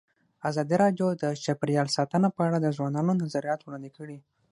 ازادي راډیو د چاپیریال ساتنه په اړه د ځوانانو نظریات وړاندې کړي.